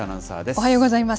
おはようございます。